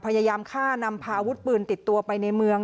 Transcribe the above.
พยายามฆ่านำพาอาวุธปืนติดตัวไปในเมือง